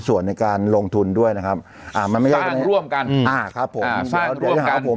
ส่วนในการลงทุนด้วยนะครับอ่ามันไม่ร่วมกันอ่าครับผมผม